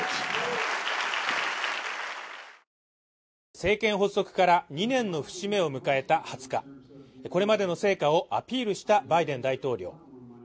政権発足から２年の節目を迎えた２０日、これまでの成果をアピールしたバイデン大統領。